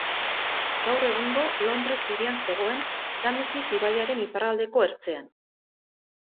Gaur egungo Londres hirian zegoen, Tamesis ibaiaren iparraldeko ertzean.